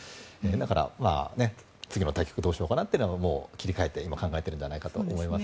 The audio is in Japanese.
だから、次の対局どうしようかなって切り替えて考えてるんじゃないかと思います。